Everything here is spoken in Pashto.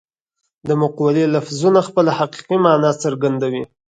د مقولې لفظونه خپله حقیقي مانا څرګندوي